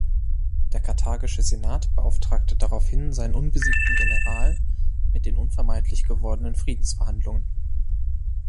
Der karthagische Senat beauftragte daraufhin seinen unbesiegten General mit den unvermeidlich gewordenen Friedensverhandlungen.